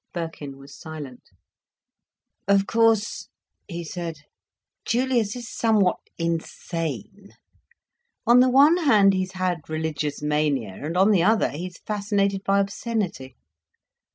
Birkin was silent. "Of course," he said, "Julius is somewhat insane. On the one hand he's had religious mania, and on the other, he is fascinated by obscenity.